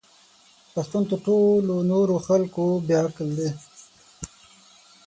پښتون تر ټولو نورو خلکو بې عقل دی!